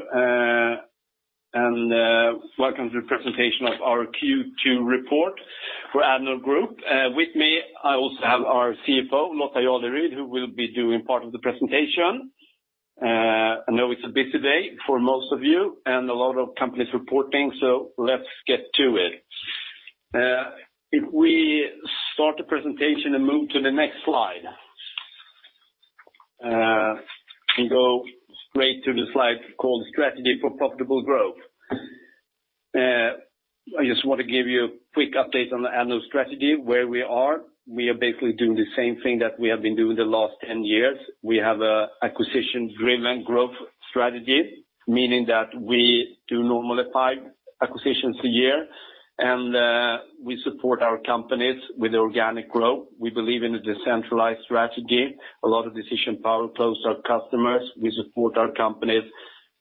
Thank you. Welcome to the presentation of our Q2 report for Addnode Group. With me, I also have our CFO, Lotta Jarleryd, who will be doing part of the presentation. I know it's a busy day for most of you and a lot of companies reporting, so let's get to it. If we start the presentation and move to the next slide. Go straight to the slide called Strategy for Profitable Growth. I just want to give you a quick update on the Addnode strategy, where we are. We are basically doing the same thing that we have been doing the last 10 years. We have an acquisition driven growth strategy, meaning that we do normally five acquisitions a year, and we support our companies with organic growth. We believe in a decentralized strategy, a lot of decision power close to our customers. We support our companies,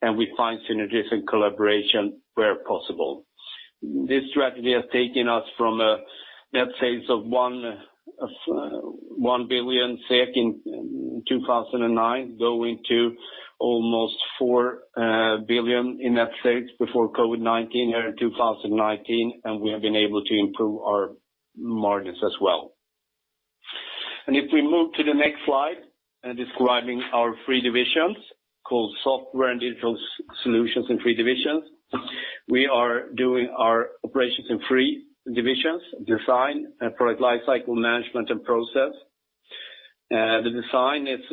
and we find synergies and collaboration where possible. This strategy has taken us from a net sales of 1 billion SEK in 2009, going to almost 4 billion in net sales before COVID-19 here in 2019, and we have been able to improve our margins as well. If we move to the next slide describing our three divisions, called Software and Digital Solutions in three divisions. We are doing our operations in three divisions, Design, Product Lifecycle Management, and Process. The Design is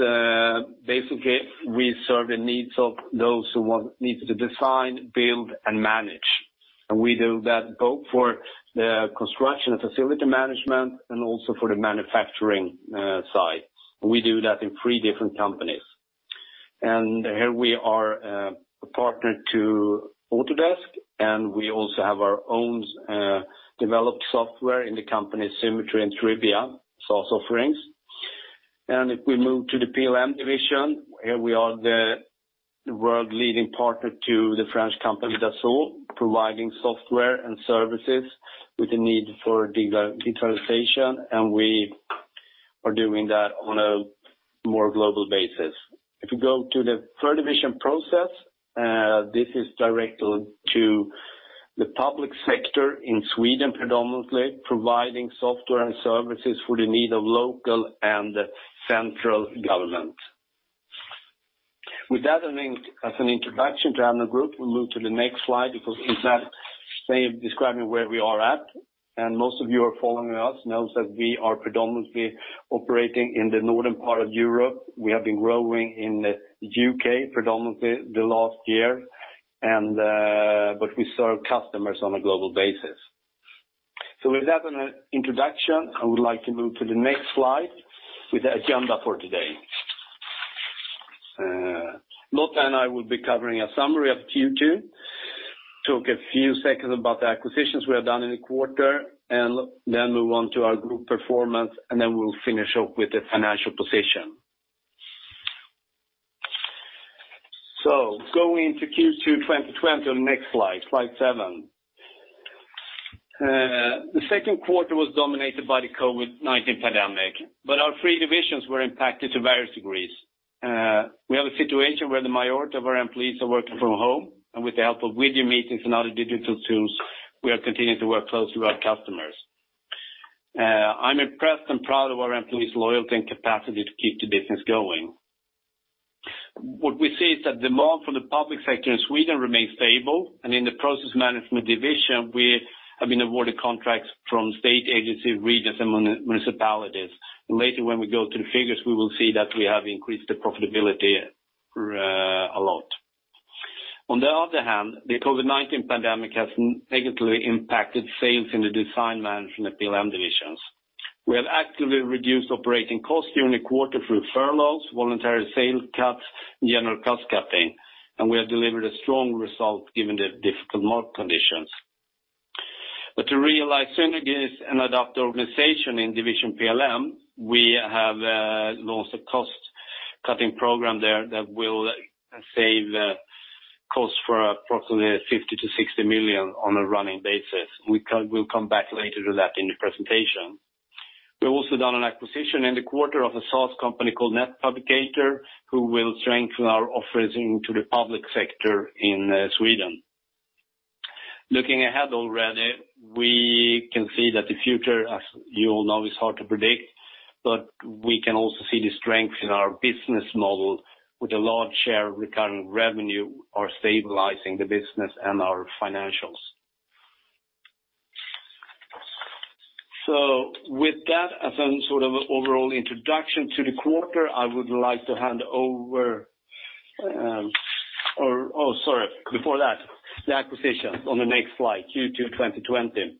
basically we serve the needs of those who want needs to design, build, and manage. We do that both for the construction and facility management and also for the manufacturing side. We do that in three different companies. Here we are partnered to Autodesk, and we also have our own developed software in the company Symetri and Tribia, SaaS offerings. If we move to the PLM division, here we are the world-leading partner to the French company Dassault, providing software and services with the need for digitalization. We are doing that on a more global basis. If you go to the third division Process, this is directly to the public sector in Sweden predominantly, providing software and services for the need of local and central government. With that as an introduction to Addnode Group, we'll move to the next slide because inside describing where we are at. Most of you are following us knows that we are predominantly operating in the northern part of Europe. We have been growing in the U.K. predominantly the last year. We serve customers on a global basis. With that as an introduction, I would like to move to the next slide with the agenda for today. Lotta and I will be covering a summary of Q2, talk a few seconds about the acquisitions we have done in the quarter, and then move on to our group performance, and then we will finish up with the financial position. Going to Q2 2020 on the next slide seven. The second quarter was dominated by the COVID-19 pandemic, but our three divisions were impacted to various degrees. We have a situation where the majority of our employees are working from home, and with the help of video meetings and other digital tools, we are continuing to work closely with our customers. I am impressed and proud of our employees' loyalty and capacity to keep the business going. What we see is that demand from the public sector in Sweden remains stable, and in the Process Management division, we have been awarded contracts from state agencies, regions, and municipalities. Later when we go through the figures, we will see that we have increased the profitability a lot. On the other hand, the COVID-19 pandemic has negatively impacted sales in the Design Management PLM divisions. We have actively reduced operating costs during the quarter through furloughs, voluntary sales cuts, and general cost-cutting, and we have delivered a strong result given the difficult market conditions. To realize synergies and adapt the organization in division PLM, we have launched a cost-cutting program there that will save costs for approximately 50 million-60 million on a running basis. We'll come back later to that in the presentation. We've also done an acquisition in the quarter of a SaaS company called Netpublicator, who will strengthen our offerings into the public sector in Sweden. Looking ahead already, we can see that the future, as you all know, is hard to predict, but we can also see the strength in our business model with a large share of recurring revenue are stabilizing the business and our financials. With that as an overall introduction to the quarter, I would like to hand over. Oh, sorry. Before that, the acquisitions on the next slide, Q2 2020.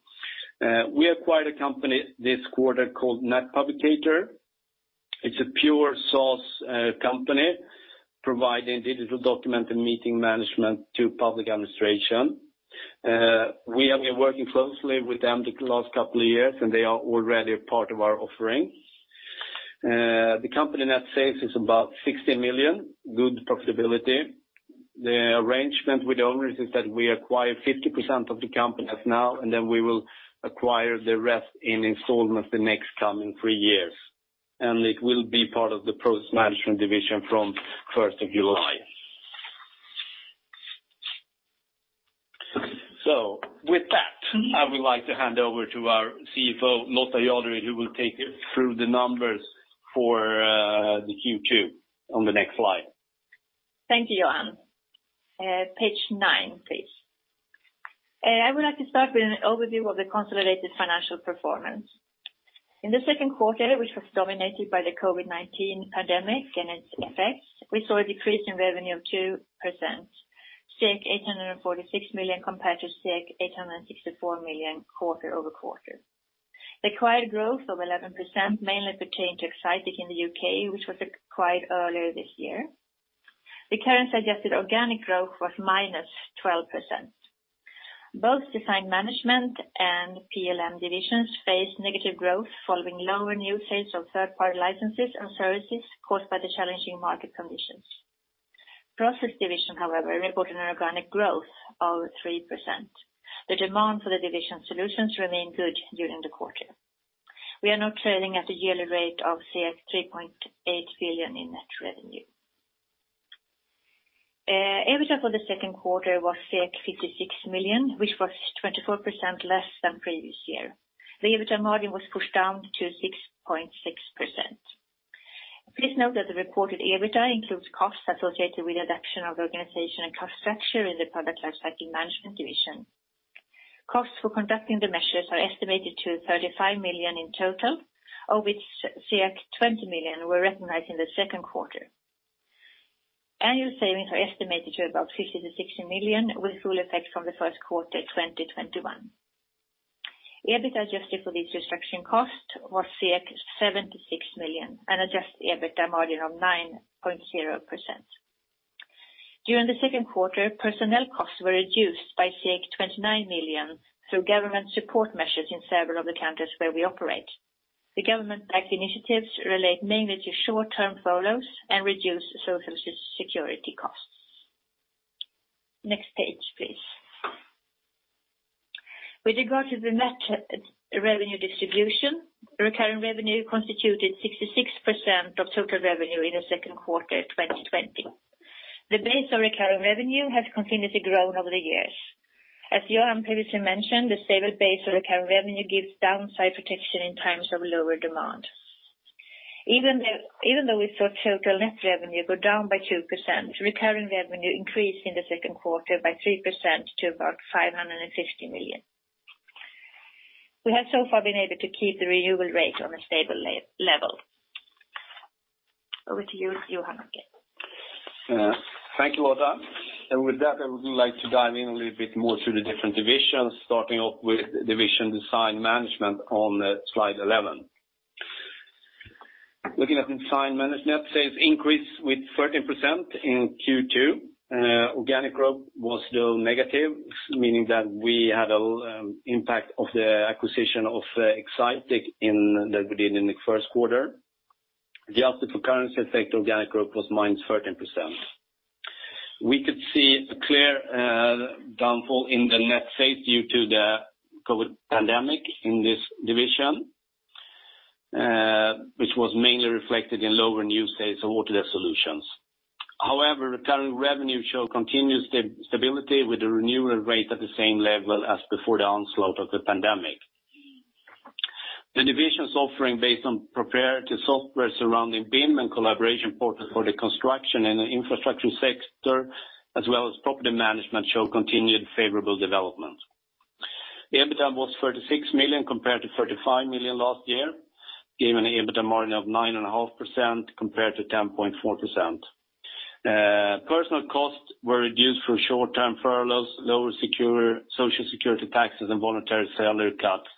We acquired a company this quarter called Netpublicator. It's a pure SaaS company providing digital document and meeting management to public administration. We have been working closely with them the last couple of years, and they are already a part of our offerings. The company net sales is about 60 million, good profitability. The arrangement with the owners is that we acquire 50% of the company as now, and then we will acquire the rest in installments the next coming three years. It will be part of the Process Management division from 1st of July. With that, I would like to hand over to our CFO, Lotta Jarleryd, who will take you through the numbers for the Q2 on the next slide. Thank you, Johan. Page nine, please. I would like to start with an overview of the consolidated financial performance. In the second quarter, which was dominated by the COVID-19 pandemic and its effects, we saw a decrease in revenue of 2%, 846 million compared to 864 million quarter-over-quarter. The acquired growth of 11% mainly pertained to Excitech in the U.K., which was acquired earlier this year. The currency-adjusted organic growth was minus 12%. Both Design Management and PLM divisions faced negative growth following lower new sales of third-party licenses and services caused by the challenging market conditions. Process Management, however, reported an organic growth of 3%. The demand for the division solutions remained good during the quarter. We are now trailing at a yearly rate of 3.8 billion in net revenue. EBITDA for the second quarter was 56 million, which was 24% less than previous year. The EBITDA margin was pushed down to 6.6%. Please note that the reported EBITDA includes costs associated with the reduction of organization and cost structure in the Product Lifecycle Management division. Costs for conducting the measures are estimated to 35 million in total, of which 20 million were recognized in the second quarter. Annual savings are estimated to about 50 million to 60 million, with full effect from the first quarter 2021. EBIT adjusted for these restructuring costs was 76 million and adjusted EBITA margin of 9.0%. During the second quarter, personnel costs were reduced by 29 million through government support measures in several of the countries where we operate. The government-backed initiatives relate mainly to short-term furloughs and reduced Social Security costs. Next page, please. With regard to the net revenue distribution, recurring revenue constituted 66% of total revenue in the second quarter 2020. The base of recurring revenue has continuously grown over the years. As Johan previously mentioned, the stable base of recurring revenue gives downside protection in times of lower demand. Even though we saw total net revenue go down by 2%, recurring revenue increased in the second quarter by 3% to about 550 million. We have so far been able to keep the renewal rate on a stable level. Over to you, Johan, again. Thank you, Lotta. With that, I would like to dive in a little bit more to the different divisions, starting off with division Design Management on slide 11. Looking at Design Management, net sales increased with 13% in Q2. Organic growth was still negative, meaning that we had an impact of the acquisition of Excitech that we did in the first quarter. Adjusted for currency effect, organic growth, was minus 13%. We could see a clear downfall in the net sales due to the COVID pandemic in this division, which was mainly reflected in lower new sales of Autodesk solutions. However, recurring revenue show continued stability with the renewal rate at the same level as before the onslaught of the pandemic. The division's offering based on proprietary software surrounding BIM and collaboration portal for the construction and the infrastructure sector, as well as property management, show continued favorable development. The EBITDA was 36 million compared to 35 million last year, giving an EBITDA margin of 9.5% compared to 10.4%. Personnel costs were reduced through short-term furloughs, lower Social Security taxes, and voluntary salary cuts,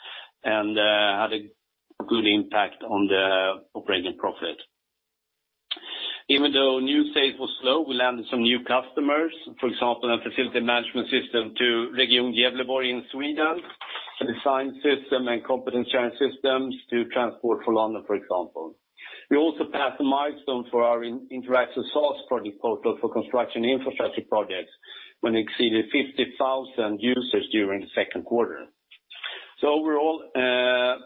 had a good impact on the operating profit. Even though new sales were slow, we landed some new customers. For example, a facility management system to Region Gävleborg in Sweden, a design system, and competence-sharing systems to Transport for London, for example. We also passed a milestone for our Interaxo product portal for construction infrastructure projects when it exceeded 50,000 users during the second quarter. Overall, the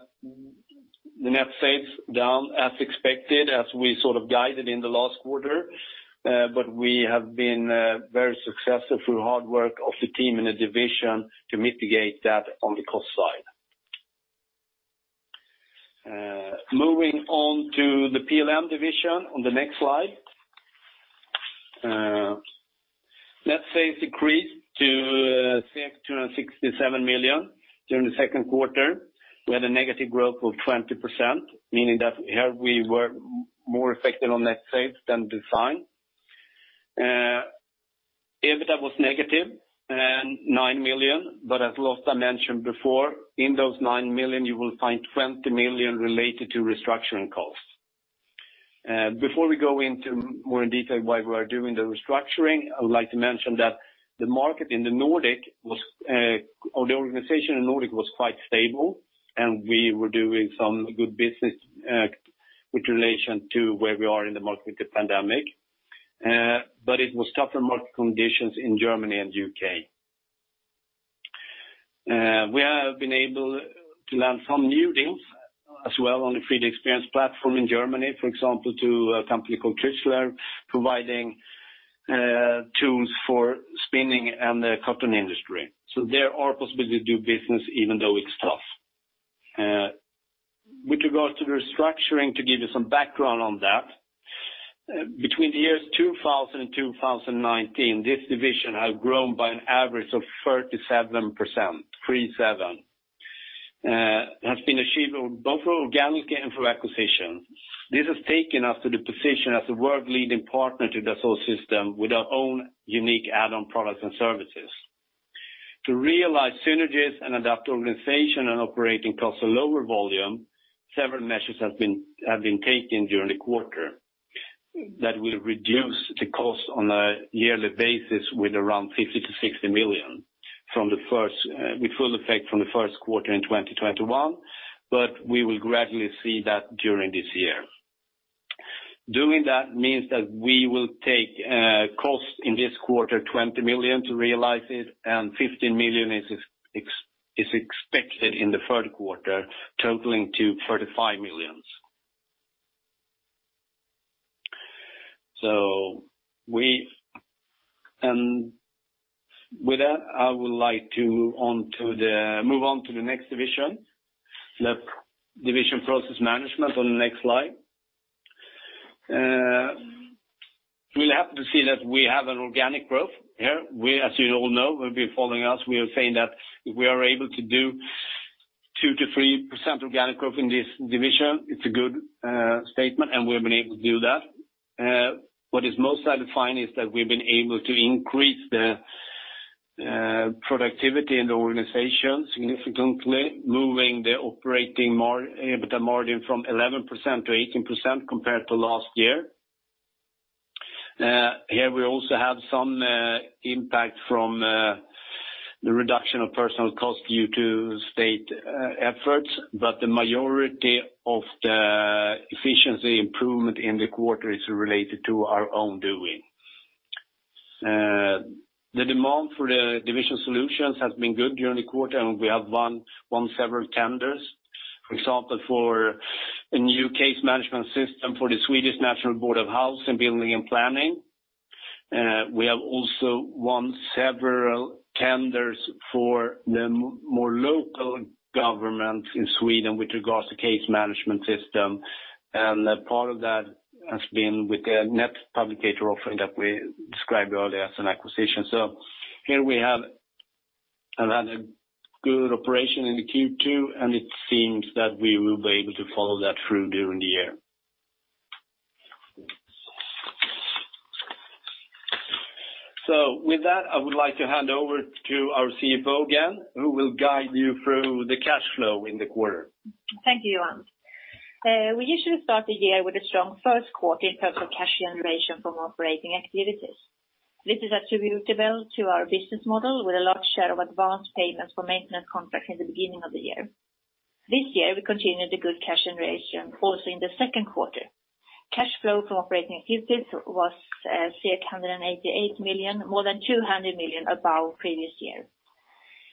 net sales down as expected as we sort of guided in the last quarter, but we have been very successful through hard work of the team in the division to mitigate that on the cost side. Moving on to the PLM division on the next slide. Net sales decreased to 267 million during the second quarter. We had a negative growth of 20%, meaning that here we were more affected on net sales than Design. EBITDA was negative, 9 million, but as Lotta mentioned before, in those 9 million, you will find 20 million related to restructuring costs. Before we go into more in detail why we are doing the restructuring, I would like to mention that the organization in Nordic was quite stable, and we were doing some good business with relation to where we are in the market with the pandemic. It was tougher market conditions in Germany and U.K. We have been able to land some new deals as well on the 3DEXPERIENCE platform in Germany, for example, to a company called Trützschler, providing tools for spinning and the cotton industry. There are possibilities to do business even though it's tough. With regards to the restructuring, to give you some background on that, between the years 2000 and 2019, this division has grown by an average of 37%, 37, has been achieved both through organic and through acquisition. This has taken us to the position as a world-leading partner to Dassault Systèmes with our own unique add-on products and services. To realize synergies and adapt organization and operating costs to lower volume, several measures have been taken during the quarter that will reduce the cost on a yearly basis with around 50 million-60 million, with full effect from the first quarter in 2021. We will gradually see that during this year. Doing that means that we will take costs in this quarter, 20 million to realize it, and 15 million is expected in the third quarter, totaling to 35 million. With that, I would like to move on to the next division, the division Process Management on the next slide. We are happy to see that we have an organic growth here. As you all know, who have been following us, we are saying that if we are able to do 2%-3% organic growth in this division, it's a good statement, and we've been able to do that. What is most satisfying is that we've been able to increase the productivity in the organization significantly, moving the operating EBITDA margin from 11%-18% compared to last year. Here we also have some impact from the reduction of personal cost due to state efforts, but the majority of the efficiency improvement in the quarter is related to our own doing. The demand for the division solutions has been good during the quarter, and we have won several tenders. For example, for a new case management system for the Swedish National Board of Housing, Building and Planning. We have also won several tenders for the more local government in Sweden with regards to case management system, and a part of that has been with the Netpublicator offering that we described earlier as an acquisition. Here we have had a good operation in the Q2, and it seems that we will be able to follow that through during the year. With that, I would like to hand over to our CFO again, who will guide you through the cash flow in the quarter. Thank you, Johan. We usually start the year with a strong first quarter in terms of cash generation from operating activities. This is attributable to our business model with a large share of advanced payments for maintenance contracts in the beginning of the year. This year, we continued the good cash generation also in the second quarter. Cash flow from operating activities was 188 million, more than 200 million above previous year.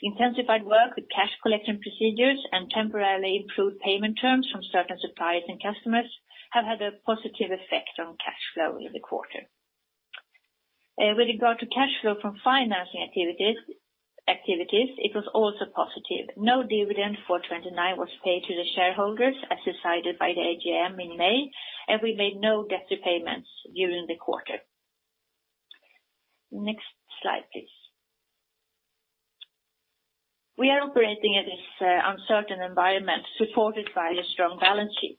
Intensified work with cash collection procedures and temporarily improved payment terms from certain suppliers and customers have had a positive effect on cash flow over the quarter. With regard to cash flow from financing activities, it was also positive. No dividend for 2019 was paid to the shareholders, as decided by the AGM in May. We made no debt repayments during the quarter. Next slide, please. We are operating in this uncertain environment supported by a strong balance sheet.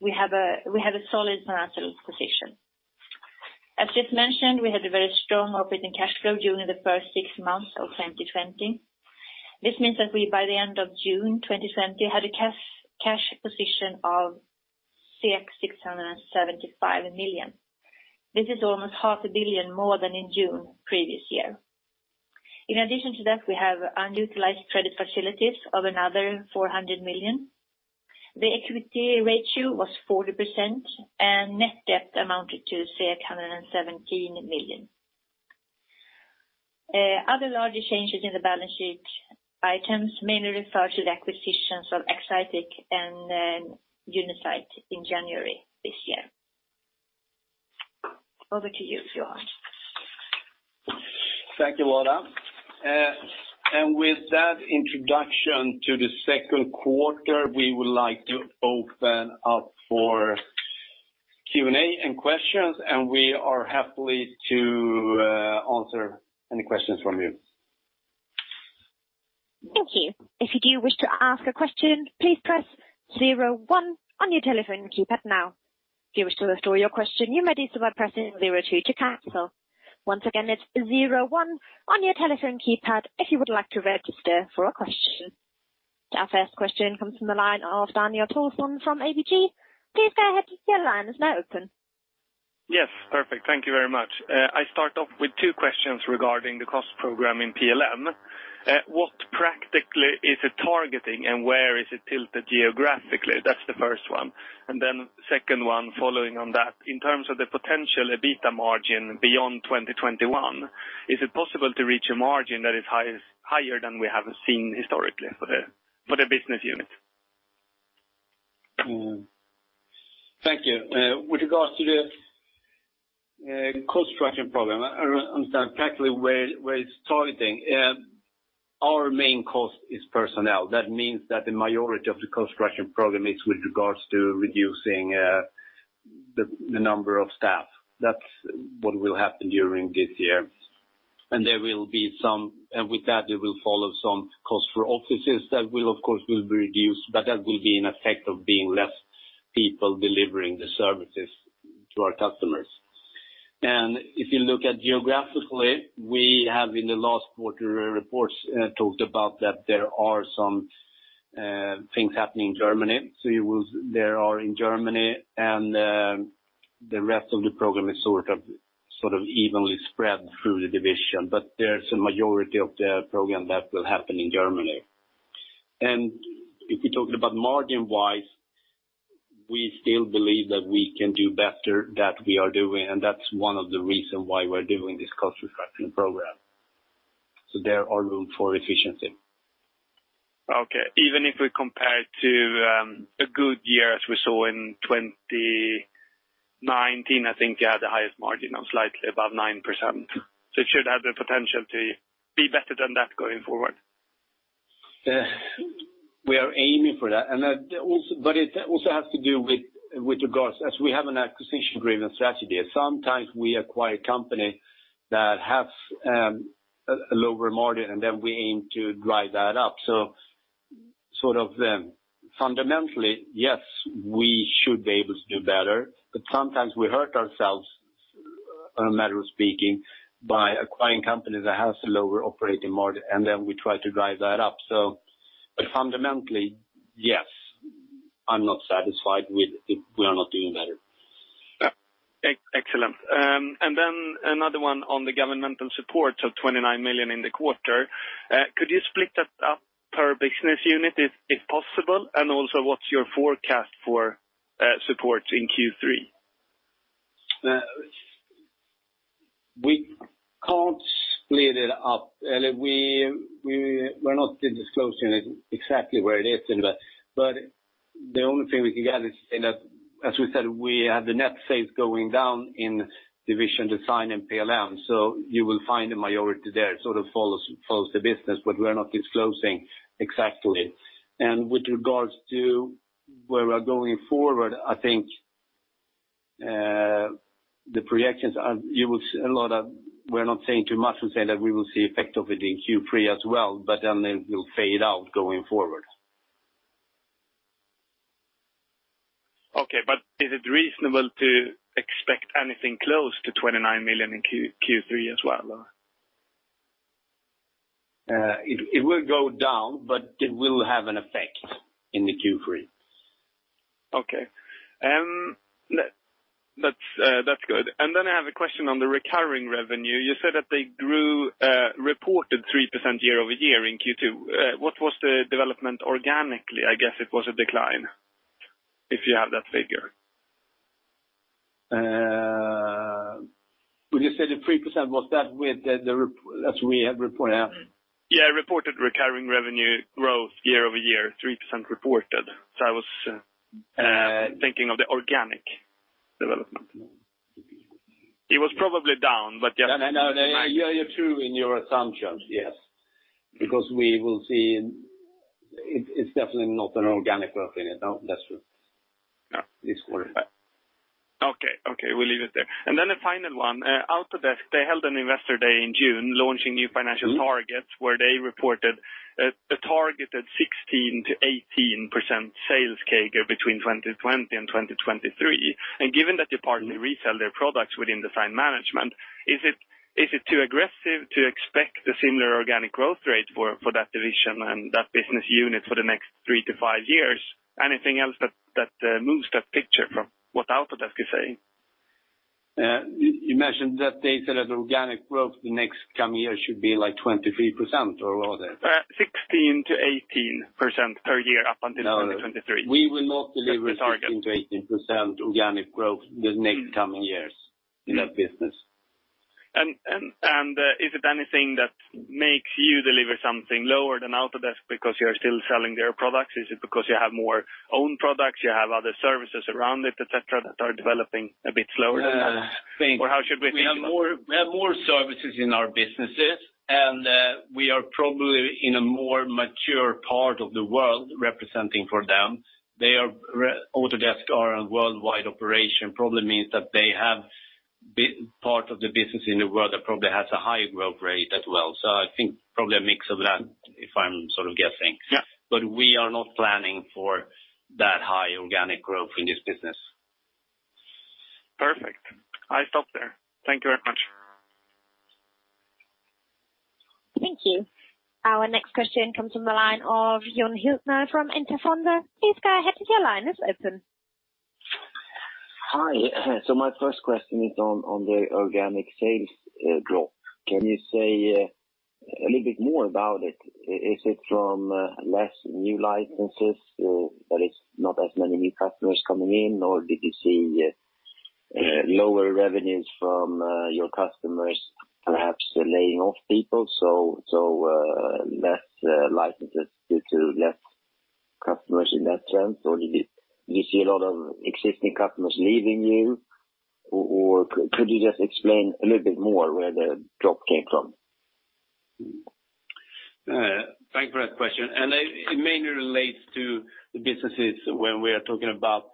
We have a solid financial position. As just mentioned, we had a very strong operating cash flow during the first six months of 2020. This means that we, by the end of June 2020, had a cash position of 675 million. This is almost half a billion more than in June previous year. In addition to that, we have unutilized credit facilities of another 400 million. The equity ratio was 40%, and net debt amounted to 117 million. Other larger changes in the balance sheet items mainly refer to the acquisitions of Excitech and Unizite in January this year. Over to you, Johan. Thank you, Lotta. With that introduction to the second quarter, we would like to open up for Q&A and questions, and we are happy to answer any questions from you. Thank you. If you do wish to ask a question, please press 01 on your telephone keypad now. If you wish to withdraw your question, you may do so by pressing 02 to cancel. Once again, it's 01 on your telephone keypad if you would like to register for a question. Our first question comes from the line of Daniel Thorsson from ABG. Please go ahead. Your line is now open. Yes, perfect. Thank you very much. I start off with two questions regarding the cost program in PLM. What practically is it targeting, and where is it tilted geographically? That's the first one. Second one following on that. In terms of the potential EBITDA margin beyond 2021, is it possible to reach a margin that is higher than we have seen historically for the business unit? Thank you. With regards to the cost structuring program, I understand practically where it’s targeting. Our main cost is personnel. That means that the majority of the cost structuring program is with regards to reducing the number of staff. That’s what will happen during this year. With that, there will follow some cost for offices that will of course be reduced, but that will be an effect of being less people delivering the services to our customers. If you look at geographically, we have in the last quarter reports, talked about that there are some things happening in Germany. There are in Germany and the rest of the program is sort of evenly spread through the division, but there’s a majority of the program that will happen in Germany. If we talked about margin-wise, we still believe that we can do better, that we are doing, and that's one of the reason why we're doing this cost structuring program. There are room for efficiency. Okay. Even if we compare it to a good year as we saw in 2019, I think you had the highest margin of slightly above 9%. It should have the potential to be better than that going forward. We are aiming for that. It also has to do with regards, as we have an acquisition-driven strategy, sometimes we acquire company that have a lower margin, and then we aim to drive that up. Fundamentally, yes, we should be able to do better, but sometimes we hurt ourselves in a matter of speaking, by acquiring companies that has a lower operating margin, and then we try to drive that up. Fundamentally, yes, I'm not satisfied with it. We are not doing better. Excellent. Then another one on the governmental support of 29 million in the quarter. Could you split that up per business unit if possible? Also what's your forecast for support in Q3? We can't split it up. We're not disclosing exactly where it is invested. The only thing we can get is say that, as we said, we have the net sales going down in division Design and PLM. You will find the majority there, sort of follows the business, but we're not disclosing exactly. With regards to where we're going forward, I think the projections are, We're not saying too much and say that we will see effect of it in Q3 as well, but then it will fade out going forward. Okay. Is it reasonable to expect anything close to 29 million in Q3 as well? It will go down, but it will have an effect in the Q3. Okay. That's good. I have a question on the recurring revenue. You said that they grew, reported 3% year-over-year in Q2. What was the development organically? I guess it was a decline, if you have that figure. When you say the 3%, was that with the report, as we have reported out? Yeah, reported recurring revenue growth year-over-year, 3% reported. I was thinking of the organic development. It was probably down. No, you're true in your assumptions, yes. We will see it's definitely not an organic growth in it this quarter. No, that's true. Okay. We'll leave it there. A final one, Autodesk, they held an investor day in June launching new financial targets where they reported a target at 16%-18% sales CAGR between 2020 and 2023. Given that you partly resell their products within Design Management, is it too aggressive to expect a similar organic growth rate for that division and that business unit for the next three to five years? Anything else that moves that picture from what Autodesk is saying? You mentioned that they said that organic growth the next coming year should be like 23% or what was it? 16% to 18% per year up until 2023. We will not deliver 16%-18% organic growth the next coming years in that business. Is it anything that makes you deliver something lower than Autodesk because you're still selling their products? Is it because you have more own products, you have other services around it, et cetera, that are developing a bit slower than that? How should we think about that? We have more services in our businesses, and we are probably in a more mature part of the world representing for them. Autodesk are a worldwide operation, probably means that they have part of the business in the world that probably has a higher growth rate as well. I think probably a mix of that, if I'm sort of guessing. Yeah. We are not planning for that high organic growth in this business. Perfect. I stop there. Thank you very much. Thank you. Our next question comes from the line of John Hiltner from Interfund. Please go ahead, your line is open. Hi. My first question is on the organic sales drop. Can you say a little bit more about it? Is it from less new licenses, that is not as many new customers coming in, or did you see lower revenues from your customers perhaps laying off people, so less licenses due to less customers in that sense? Did you see a lot of existing customers leaving you, or could you just explain a little bit more where the drop came from? Thank you for that question. It mainly relates to the businesses when we are talking about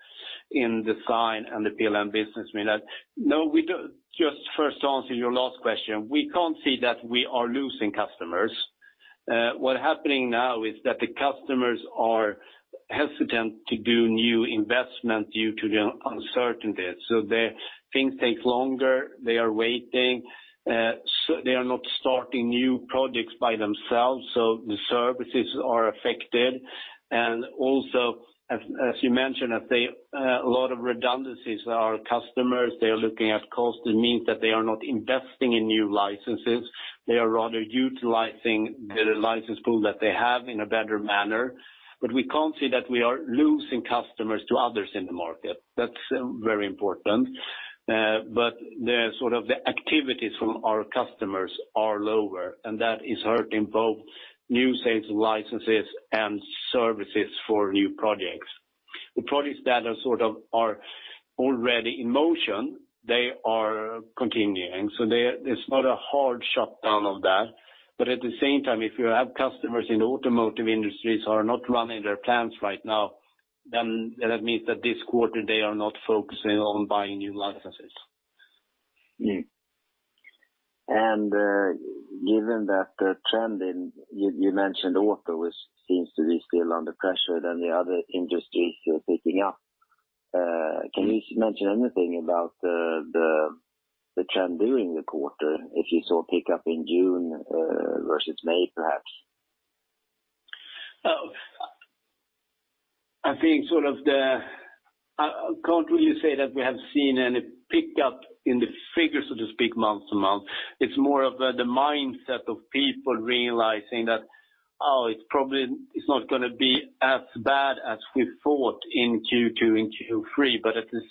in design and the PLM business. Just first to answer your last question, we can't say that we are losing customers. What's happening now is that the customers are hesitant to do new investment due to the uncertainty. Things take longer. They are waiting. They are not starting new projects by themselves, so the services are affected. Also, as you mentioned, a lot of redundancies. Our customers, they are looking at cost. It means that they are not investing in new licenses. They are rather utilizing the license pool that they have in a better manner. We can't say that we are losing customers to others in the market. That's very important. The sort of the activities from our customers are lower, and that is hurting both new sales licenses and services for new projects. The projects that are sort of already in motion, they are continuing. There's not a hard shutdown of that. At the same time, if you have customers in the automotive industries who are not running their plants right now, then that means that this quarter, they are not focusing on buying new licenses. Given that the trend in, you mentioned auto seems to be still under pressure than the other industries who are picking up. Can you mention anything about the trend during the quarter? If you saw pickup in June versus May, perhaps? I can't really say that we have seen any pickup in the figures, so to speak, month-to-month. At the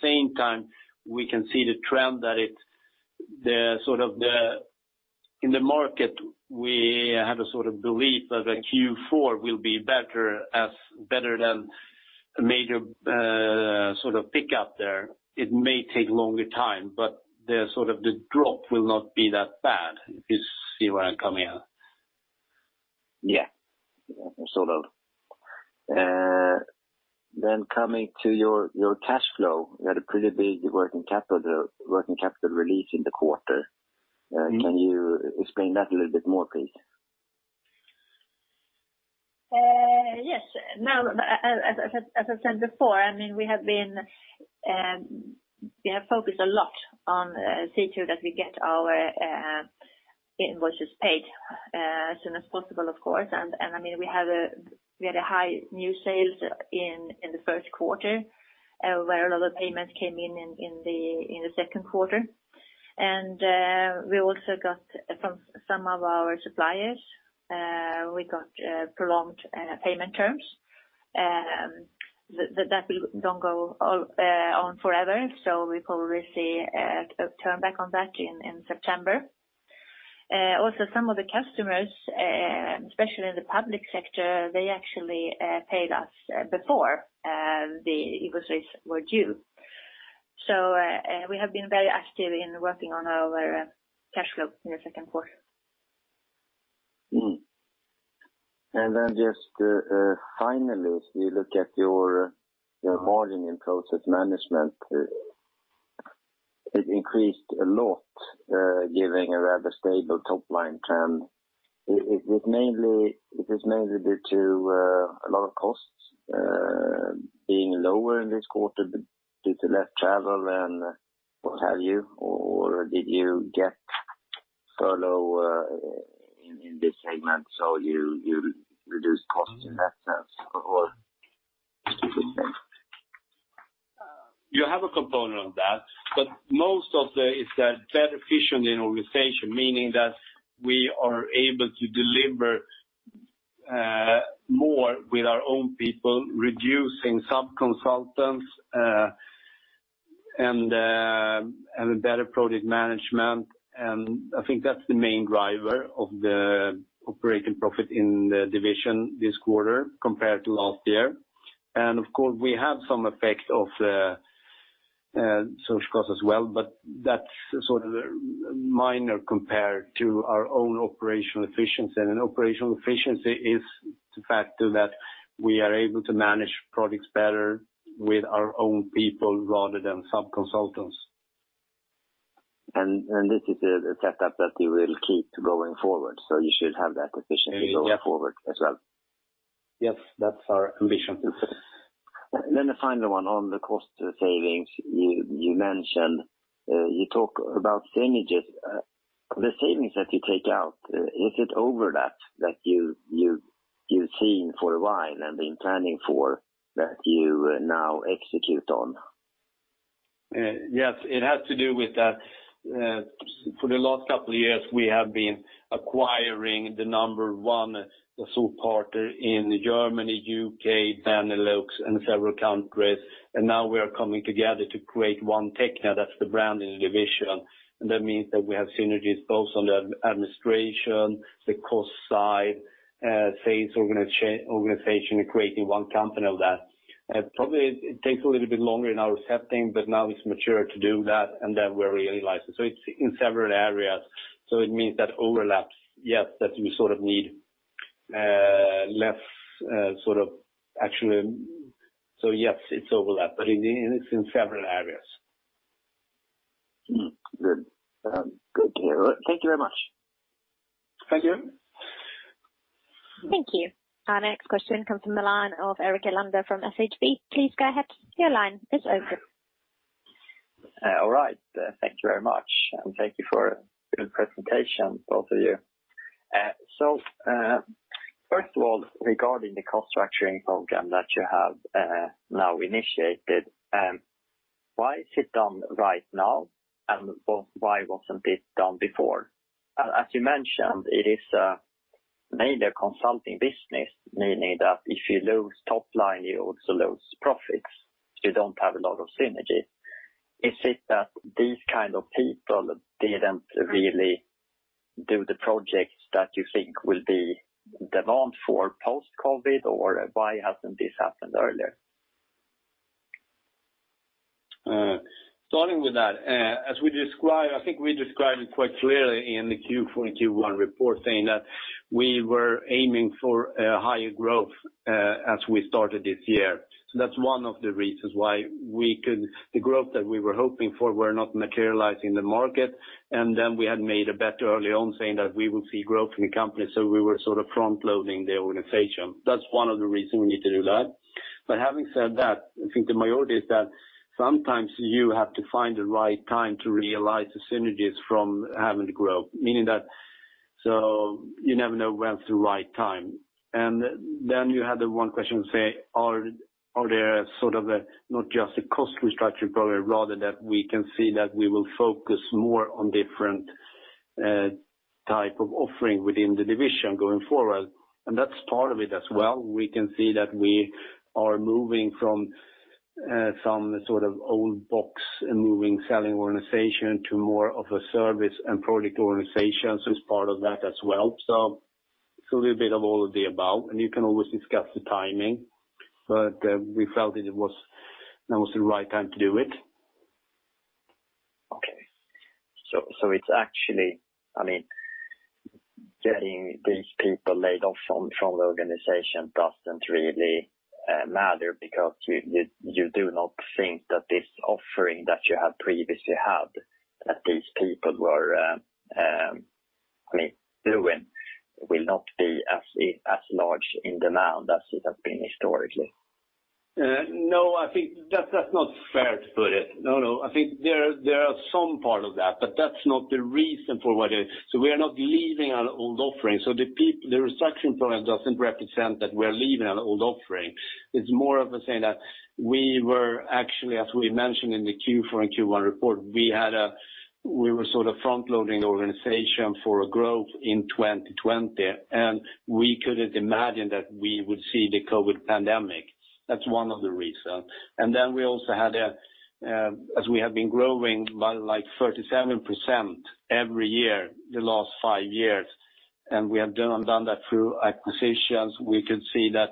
same time, we can see the trend that in the market, we have a sort of belief that Q4 will be better than a major sort of pickup there. It may take longer time, but the drop will not be that bad, if you see where I'm coming at. Yeah. Sort of. Coming to your cash flow, you had a pretty big working capital relief in the quarter. Can you explain that a little bit more, please? Yes. As I said before, we have focused a lot on seeing to it that we get our invoices paid, as soon as possible, of course. We had a high new sales in the first quarter, where a lot of payments came in the second quarter. We also got from some of our suppliers, we got prolonged payment terms. That will don't go on forever, so we probably see a turn back on that in September. Also, some of the customers, especially in the public sector, they actually paid us before the invoices were due. We have been very active in working on our cash flow in the second quarter. Just finally, if you look at your margin in Process Management, it increased a lot, giving a rather stable top-line trend. Is this mainly due to a lot of costs being lower in this quarter due to less travel and what have you? Did you get furlough in this segment, so you reduced costs in that sense? Different things. You have a component of that, but most of it is the better efficient in organization, meaning that we are able to deliver more with our own people, reducing sub-consultants, and better project management. I think that's the main driver of the operating profit in the division this quarter compared to last year. Of course, we have some effect of such costs as well, but that's sort of minor compared to our own operational efficiency. Operational efficiency is the fact that we are able to manage projects better with our own people rather than sub-consultants. This is a setup that you will keep going forward. You should have that efficiency going forward as well. Yes, that's our ambition. The final one on the cost savings. You talk about synergies. The savings that you take out, is it over that you've seen for a while and been planning for, that you now execute on? Yes, it has to do with that. For the last couple of years, we have been acquiring the number one sole partner in Germany, U.K., Benelux, and several countries. Now we are coming together to create one Technia, that's the brand and division. That means that we have synergies both on the administration, the cost side, sales organization, and creating one company of that. Probably it takes a little bit longer in our setting, but now it's mature to do that, and then we realize it. It's in several areas. It means that overlaps, yes, that you sort of need less actually. Yes, it's overlap, but it's in several areas. Good. Thank you very much. Thank you. Thank you. Our next question comes from the line of Erik Erlander from Handelsbanken. Please go ahead. Your line is open. All right. Thank you very much, and thank you for a good presentation, both of you. First of all, regarding the cost structuring program that you have now initiated, why is it done right now, and/or why wasn't it done before? As you mentioned, it is mainly a consulting business, meaning that if you lose top line, you also lose profits. You don't have a lot of synergies. Is it that these kind of people didn't really do the projects that you think will be demand for post-COVID, or why hasn't this happened earlier? Starting with that, I think we described it quite clearly in the Q4 and Q1 report, saying that we were aiming for a higher growth as we started this year. That's one of the reasons why the growth that we were hoping for were not materializing the market, and then we had made a bet early on saying that we would see growth in the company, so we were sort of front-loading the organization. That's one of the reasons we need to do that. Having said that, I think the majority is that sometimes you have to find the right time to realize the synergies from having the growth, meaning that you never know when's the right time. Then you had the one question say, are there sort of a not just a cost restructuring, but rather that we can see that we will focus more on different type of offering within the division going forward. That's part of it as well. We can see that we are moving from some sort of old box moving, selling organization to more of a service and product organization. It's part of that as well. It's a little bit of all of the above, and you can always discuss the timing, but we felt that was the right time to do it. Okay. It's actually, getting these people laid off from the organization doesn't really matter because you do not think that this offering that you have previously had that these people were doing will not be as large in demand as it has been historically. No, I think that's not fair to put it. No, I think there are some part of that, but that's not the reason for what it is. We are not leaving an old offering. The restructuring program doesn't represent that we're leaving an old offering. It's more of us saying that we were actually, as we mentioned in the Q4 and Q1 report, we were sort of front-loading the organization for a growth in 2020, and we couldn't imagine that we would see the COVID pandemic. That's one of the reasons. We also had, as we have been growing by like 37% every year, the last five years, and we have done that through acquisitions. We could see that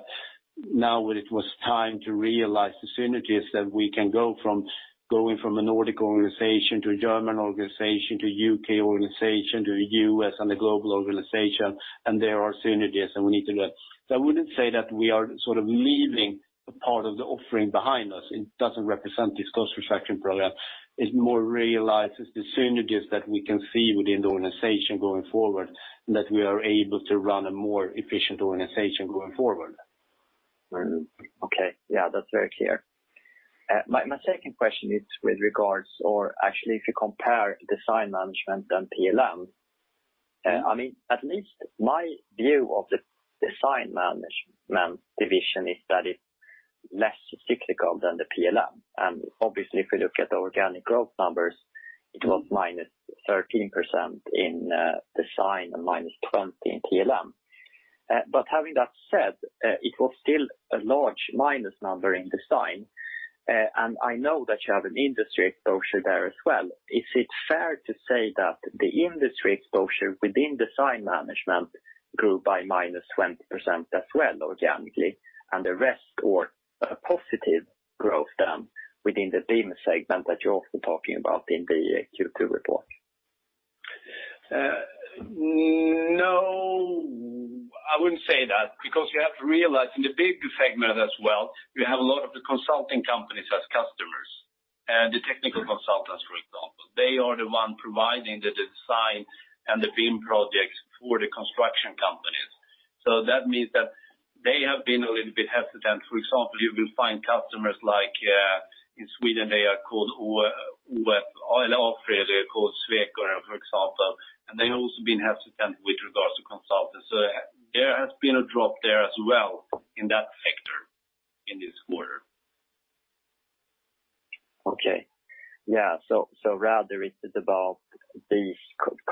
now it was time to realize the synergies that we can go from going from a Nordic organization to a German organization, to U.K. organization, to the U.S., and the global organization, and there are synergies, and we need to do it. I wouldn't say that we are sort of leaving a part of the offering behind us. It doesn't represent this cost reduction program. It more realizes the synergies that we can see within the organization going forward, and that we are able to run a more efficient organization going forward. Okay. Yeah, that's very clear. My second question is actually if you compare Design Management and PLM. At least my view of the Design Management division is that it's less cyclical than the PLM. Obviously, if you look at the organic growth numbers, it was -13% in Design and -20% in PLM. Having that said, it was still a large minus number in Design, and I know that you have an industry exposure there as well. Is it fair to say that the industry exposure within Design Management grew by -20% as well, organically, and the rest or a positive growth then within the BIM segment that you're also talking about in the Q2 report? I wouldn't say that because you have to realize in the BIM segment as well, you have a lot of the consulting companies as customers. The technical consultants, for example. They are the one providing the design and the BIM projects for the construction companies. That means that they have been a little bit hesitant. For example, you will find customers like, in Sweden they are called ÅF, or AFRY. They are called Sweco, for example. They have also been hesitant with regards to consultants. There has been a drop there as well in that sector in this quarter. Okay. Yeah. Rather it is about these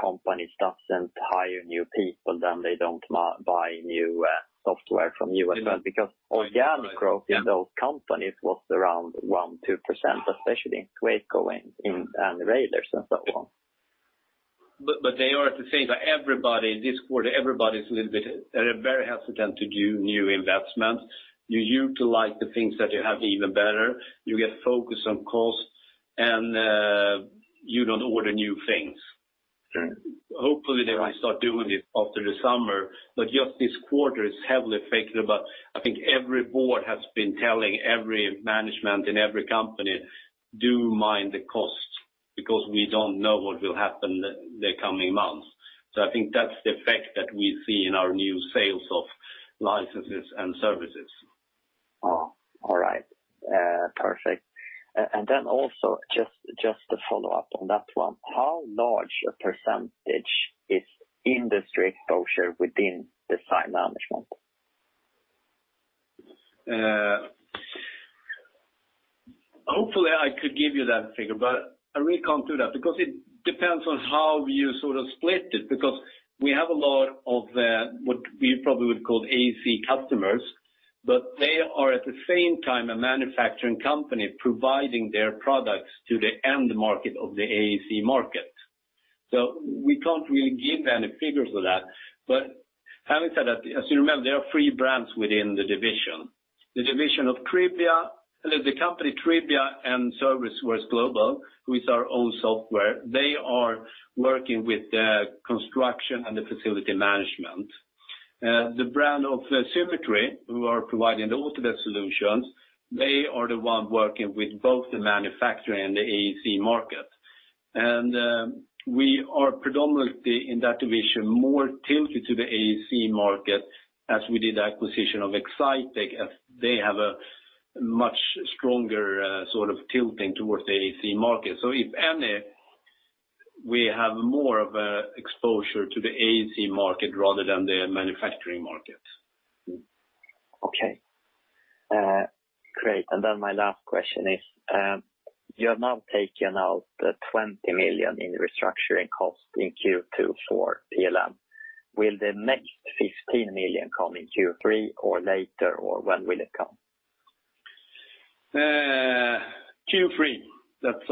companies doesn't hire new people, then they don't buy new software from you as well, because organic growth in those companies was around 1%, 2%, especially in Sweco and in Ramboll and so on. They are to say that this quarter, everybody's a little bit very hesitant to do new investments. You utilize the things that you have even better. You get focused on cost and you don't order new things. Sure. Hopefully they might start doing it after the summer, just this quarter is heavily affected. I think every board has been telling every management in every company, do mind the cost, because we don't know what will happen the coming months. I think that's the effect that we see in our new sales of licenses and services. All right. Perfect. Then also just to follow up on that one, how large a percentage is industry exposure within Design Management? Hopefully I could give you that figure, but I really can't do that because it depends on how you sort of split it. Because we have a lot of what we probably would call AEC customers, but they are at the same time a manufacturing company providing their products to the end market of the AEC market. We can't really give any figures for that. Having said that, as you remember, there are three brands within the division. The division of the company Tribia and Service Works Global, with our own software. They are working with the construction and the facility management. The brand of Symetri, who are providing the Autodesk solutions, they are the one working with both the manufacturing and the AEC market. We are predominantly in that division, more tilted to the AEC market as we did the acquisition of Excitech, as they have a much stronger sort of tilting towards the AEC market. If any, we have more of a exposure to the AEC market rather than the manufacturing market. Okay. Great. My last question is, you have now taken out the 20 million in restructuring costs in Q2 for PLM. Will the next 15 million come in Q3 or later, or when will it come? Q3. That's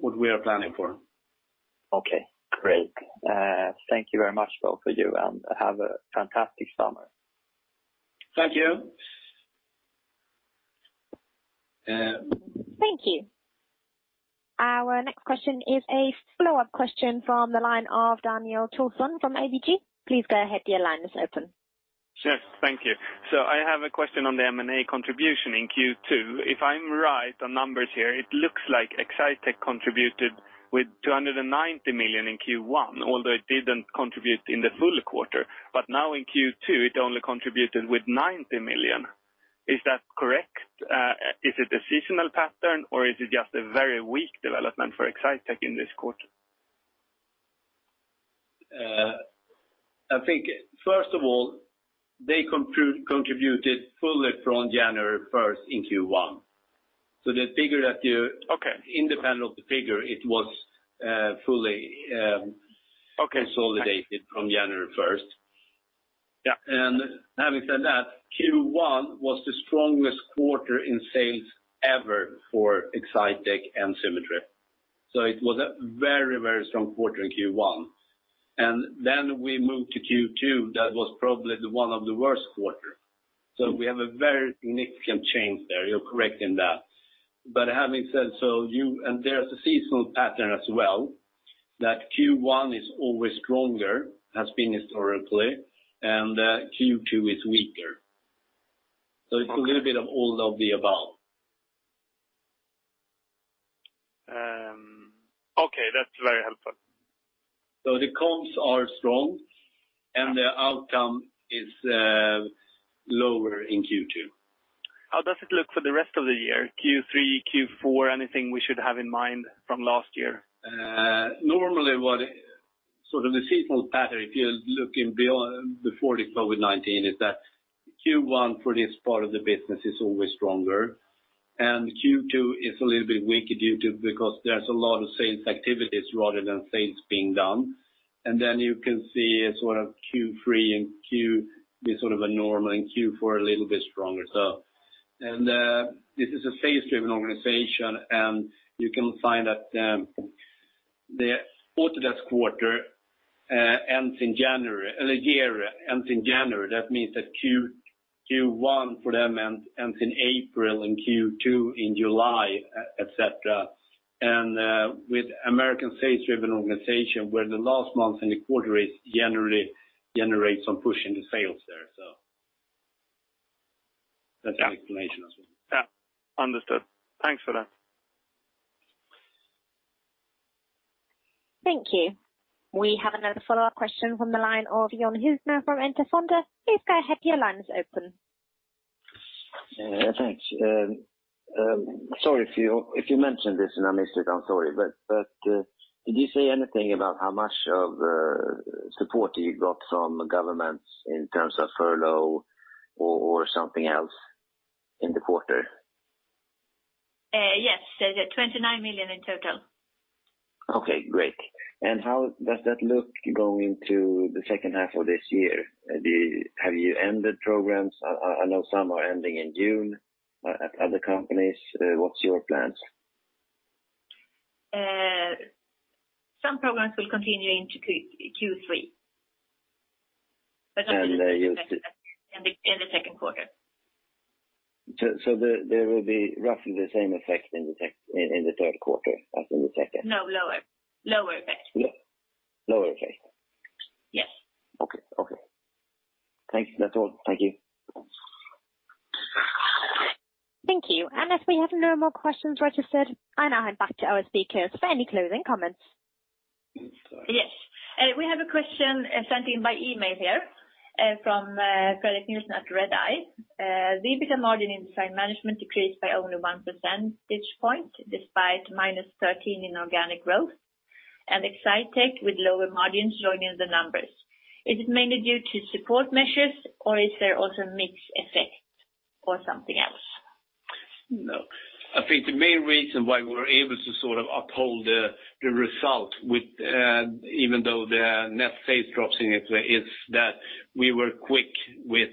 what we are planning for. Okay, great. Thank you very much both of you. Have a fantastic summer. Thank you. Thank you. Our next question is a follow-up question from the line of Daniel Thorsson from ABG. Please go ahead. Your line is open. Yes. Thank you. I have a question on the M&A contribution in Q2. If I'm right on numbers here, it looks like Excitech contributed with 290 million in Q1, although it didn't contribute in the full quarter. Now in Q2, it only contributed with 90 million. Is that correct? Is it a seasonal pattern or is it just a very weak development for Excitech in this quarter? I think, first of all, they contributed fully from January 1st in Q1. Independent of the figure. Okay consolidated from January 1st. Yeah. Having said that, Q1 was the strongest quarter in sales ever for Excitech and Symetri. It was a very strong quarter in Q1. Then we moved to Q2, that was probably the one of the worst quarter. We have a very significant change there. You're correct in that. Having said so, and there's a seasonal pattern as well, that Q1 is always stronger, has been historically, and Q2 is weaker. Okay. It's a little bit of all of the above. Okay. That's very helpful. The comps are strong and the outcome is lower in Q2. How does it look for the rest of the year? Q3, Q4, anything we should have in mind from last year? Normally, the seasonal pattern, if you're looking before the COVID-19, is that Q1 for this part of the business is always stronger, and Q2 is a little bit weaker because there's a lot of sales activities rather than sales being done. You can see sort of Q3 and Q is sort of a normal, and Q4 a little bit stronger. This is a sales-driven organization, and you can find that the Autodesk quarter ends in January. The year ends in January. That means that Q1 for them ends in April, and Q2 in July, et cetera. With American sales-driven organization where the last month in the quarter generally generates some push in the sales there. That's an explanation as well. Yeah. Understood. Thanks for that. Thank you. We have another follow-up question from the line of John Hussmann from Enter Fonder. Please go ahead. Your line is open. Thanks. Sorry if you mentioned this and I missed it, I am sorry. Did you say anything about how much of support you got from governments in terms of furlough or something else in the quarter? Yes, 29 million in total. Okay, great. How does that look going into the second half of this year? Have you ended programs? I know some are ending in June at other companies. What's your plans? Some programs will continue into Q3. And you- In the second quarter. There will be roughly the same effect in the third quarter as in the second? No, lower. Lower effect. Lower effect? Yes. Okay. Thanks. That's all. Thank you. Thank you. As we have no more questions registered, I now hand back to our speakers for any closing comments. Yes. We have a question sent in by email here from Fredrik Nilsson at Redeye. EBITDA margin in Design Management decreased by only 1 percentage point despite -13% in organic growth, and Excitec with lower margins joining the numbers. Is it mainly due to support measures, or is there also mix effect or something else? No. I think the main reason why we were able to uphold the result even though the net sales drops significantly is that we were quick with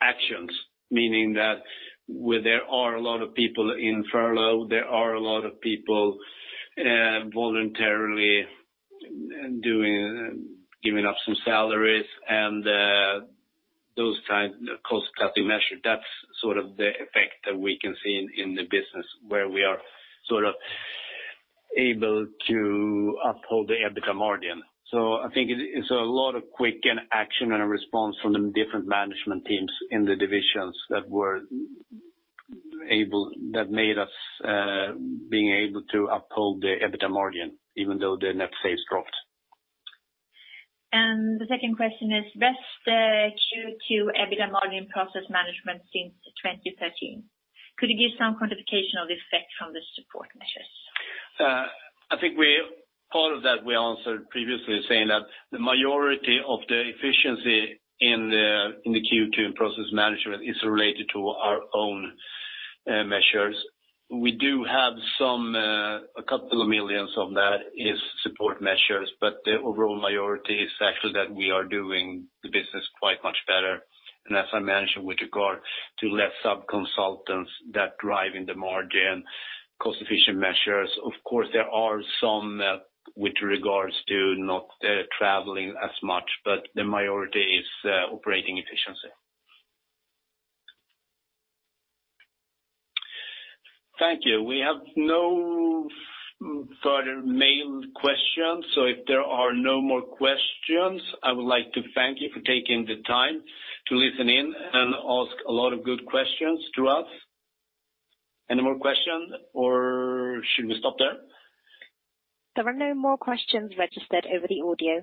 actions, meaning that where there are a lot of people in furlough, there are a lot of people voluntarily giving up some salaries and those kinds of cost-cutting measure. That's sort of the effect that we can see in the business where we are able to uphold the EBITDA margin. I think it's a lot of quick action and a response from the different management teams in the divisions that made us being able to uphold the EBITDA margin, even though the net sales dropped. The second question is, best Q2 EBITDA margin Process Management since 2013. Could you give some quantification of effect from the support measures? I think part of that we answered previously, saying that the majority of the efficiency in the Q2 Process Management is related to our own measures. We do have a couple of million of that is support measures, the overall majority is actually that we are doing the business quite much better. As I mentioned, with regard to less sub-consultants that drive in the margin, cost-efficient measures. Of course, there are some with regards to not traveling as much, the majority is operating efficiency. Thank you. We have no further mailed questions. If there are no more questions, I would like to thank you for taking the time to listen in and ask a lot of good questions to us. Any more questions, or should we stop there? There are no more questions registered over the audio.